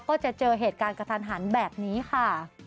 ก็จะเจอเหตุการณ์กระทันหันแบบนี้ค่ะ